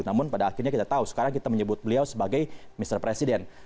namun pada akhirnya kita tahu sekarang kita menyebut beliau sebagai mr presiden